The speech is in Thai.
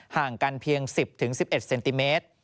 ห่างกันเพียง๑๐๑๑เซนติเมตร